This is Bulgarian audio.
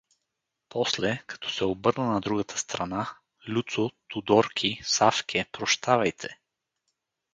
— После, като се обърна на другата страна: — Люцо, Тудорки, Савке, прощавайте!